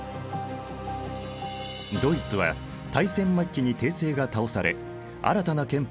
ドイツは大戦末期に帝政が倒され新たな憲法を制定。